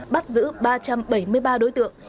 bắt giữ ba trăm bảy mươi ba đối tượng